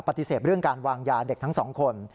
ปฏิเสธเรื่องการวางยาเด็กทั้งสองคน